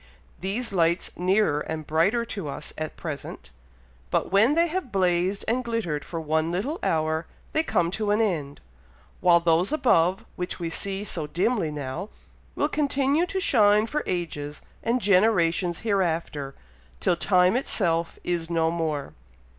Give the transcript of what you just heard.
These lights nearer and brighter to us at present; but when they have blazed and glittered for one little hour, they come to an end; while those above, which we see so dimly now, will continue to shine for ages and generations hereafter, till time itself is no more."